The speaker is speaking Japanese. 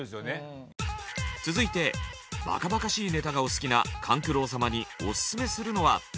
続いてバカバカしいネタがお好きな勘九郎様にオススメするのは。